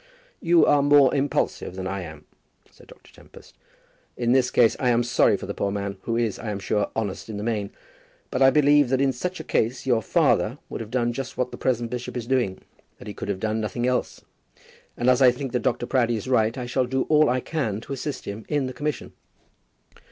"You are more impulsive than I am," said Dr. Tempest. "In this case I am sorry for the poor man, who is, I am sure, honest in the main. But I believe that in such a case your father would have done just what the present bishop is doing; that he could have done nothing else; and as I think that Dr. Proudie is right I shall do all that I can to assist him in the commission."